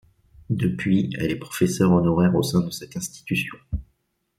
Depuis elle est professeur honoraire au sein de cette institution.